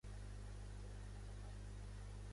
"Project Gotham Racing" ha rebut crítiques positives.